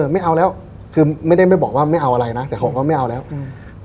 ไม่เอาแล้วคือไม่ได้ไม่บอกว่าไม่เอาอะไรนะแต่เขาก็ไม่เอาแล้วอืม